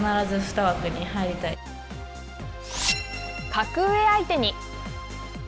格上相手に！